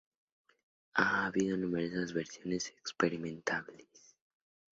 Ha habido numerosas versiones experimentales.